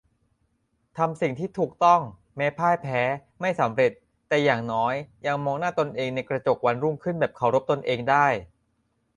ทำสิ่งที่ถูกต้อง แม้พ่ายแพ้ ไม่สำเร็จ แต่อย่างน้อย ยังมองหน้าตนเองในกระจกวันรุ่งขึ้นแบบเคารพตนเองได้